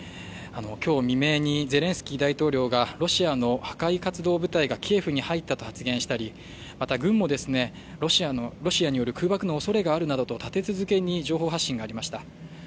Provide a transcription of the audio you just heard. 今日未明にゼレンスキー大統領がロシアの破壊活動部隊がキエフに入ったと発言したり、また軍もロシアによる空爆のおそれがあるなど立て続けに情報発信がありました。